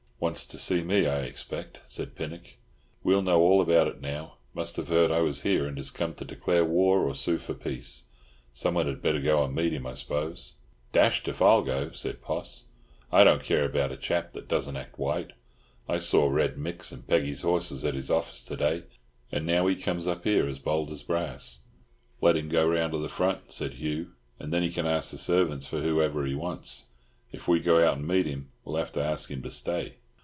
"Wants to see me, I expect," said Pinnock. "We'll know all about it now. Must have heard I was here, and is come to declare war or sue for peace. Someone had better go and meet him, I suppose." "Dashed if I'll go," said Poss. "I don't care about a chap that doesn't act white. I saw Red Mick's and Peggy's horses at his office to day, and now he comes up here as bold as brass." "Let him go round to the front," said Hugh, "and then he can ask the servants for whoever he wants. If we go out and meet him, we'll have to ask him to stay."